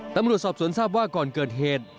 ตำรวจสอบสวนทราบว่าก่อนเกิดเหตุ